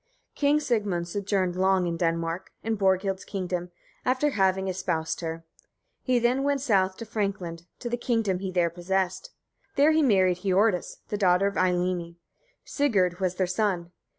King Sigmund sojourned long in Denmark, in Borghild's kingdom, after having espoused her. He then went south to Frankland, to the kingdom he there possessed. There he married Hiordis, the daughter of Eylimi. Sigurd was their son.